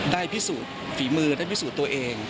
พิสูจน์ฝีมือได้พิสูจน์ตัวเอง